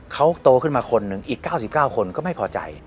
เขาโตขึ้นมาคนหนึ่งอีก๙๙คนก็ไม่พอใจ